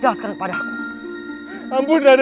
jelaskan kepada aku